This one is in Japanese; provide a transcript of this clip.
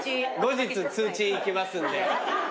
後日通知行きますんで。